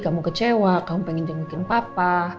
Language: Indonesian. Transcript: kamu kecewa kamu pengen jengukin papa